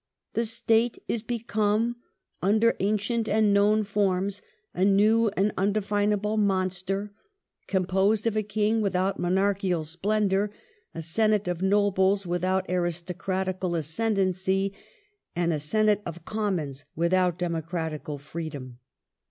"The State is become, under ancient and known forms, a new and undefinable monster ; composed of a king without monarchical splendour, a Senate of Nobles without aristocratical ascendancy, and a Senate of Commons without democratical freedom."